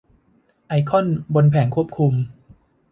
ไอคอนบนแผงควบคุม